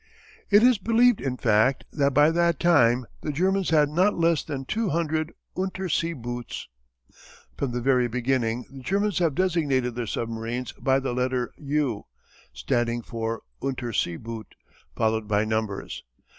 It is believed in fact that by that time the Germans had not less than two hundred Unterseeboots. From the very beginning the Germans have designated their submarines by the letter "U" (standing for Unterseeboot) followed by numbers.